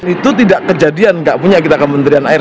itu tidak kejadian nggak punya kita kementerian air